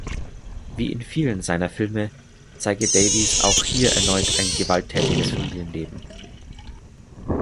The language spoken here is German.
Wie in vielen seiner Filme zeige Davies auch hier erneut ein gewalttätiges Familienleben.